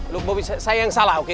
lho bobby saya yang salah oke